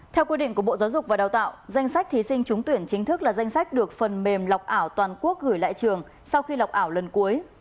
theo quy định của bộ giáo dục và đào tạo danh sách thí sinh trúng tuyển chính thức là danh sách được phần mềm lọc ảo toàn quốc gửi lại trường sau khi lọc ảo lần cuối